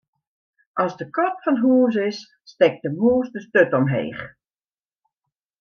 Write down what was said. As de kat fan hús is, stekt de mûs de sturt omheech.